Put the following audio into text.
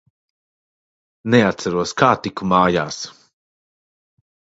Neatceros, kā tiku mājās.